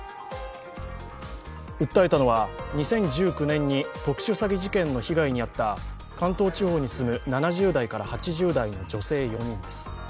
訴えたのは２０１９年に特殊詐欺事件の被害に遭った関東地方に住む７０代から８０代の女性４人です。